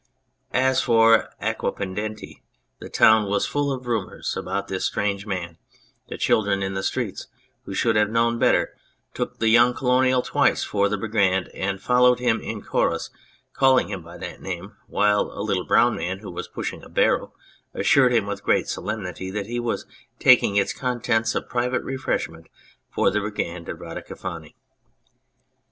As for Aquapendente, the town was full of rumours about this strange man, the children in the streets, who should have known better, took the young Colonial twice for the Brigand and followed him in chorus, calling him by that name ; while a little brown man who was pushing a barrow assured him with great solemnity that he was taking its con tents of private refreshment for the Brigand of Radicofani.